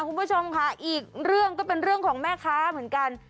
คุณผู้ชมค่ะอีกเรื่องก็เป็นเรื่องของแม่ค้าเหมือนกัน